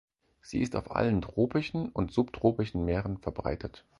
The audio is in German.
Sie ist auf allen tropischen und subtropischen Meeren verbreitet.